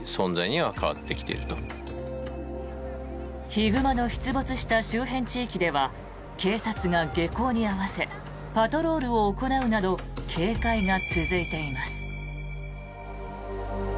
ヒグマの出没した周辺地域では警察が下校に合わせパトロールを行うなど警戒が続いています。